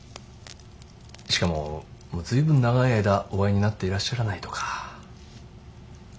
しかももう随分長い間お会いになっていらっしゃらないとか。